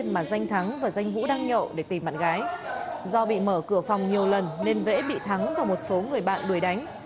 mà danh thắng và danh vũ đang nhậu để tìm bạn gái do bị mở cửa phòng nhiều lần nên vẽ bị thắng và một số người bạn đuổi đánh